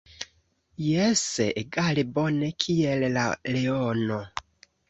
Jes, egale bone kiel la leono.